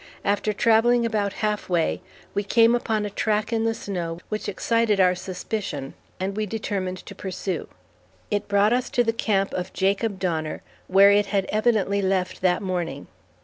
After travelling about half way, we came upon a track in the snow which excited our suspicion, and we determined to pursue. It brought us to the camp of Jacob Donner, where it had evidently left that morning.